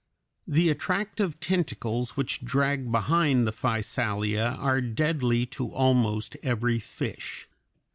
The attractive tentacles which drag behind the Physalia are deadly to almost every fish.